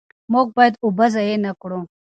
موږ باید اوبه ضایع نه کړو.